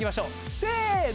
せの！